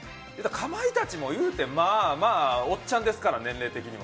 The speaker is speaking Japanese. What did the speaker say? かまいたちも言うても、まあまあおっちゃんですから、年齢的にも。